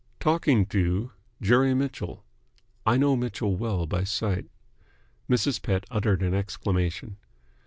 "Talking to Jerry Mitchell. I know Mitchell well by sight." Mrs. Pett uttered an exclamation.